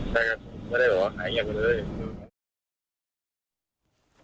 ใช่หายเงียบไปเลย